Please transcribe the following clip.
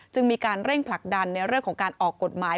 จึงมีการเร่งผลักดันในเรื่องของการออกกฎหมาย